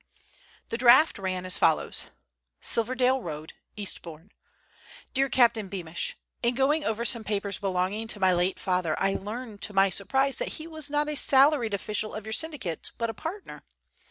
The draft ran as follows: "SILVERDALE ROAD, "EASTBOURNE. "DEAR CAPTAIN BEAMISH,—In going over some papers belonging to my late father, I learn to my surprise that he was not a salaried official of your syndicate, but a partner.